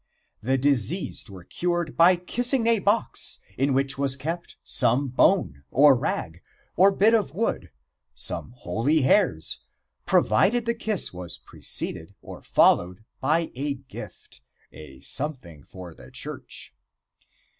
The diseased were cured by kissing a box in which was kept some bone, or rag, or bit of wood, some holy hairs, provided the kiss was preceded or followed by a gift a something for the church.